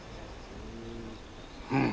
うん。